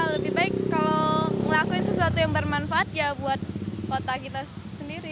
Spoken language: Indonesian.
lebih baik kalau ngelakuin sesuatu yang bermanfaat ya buat kota kita sendiri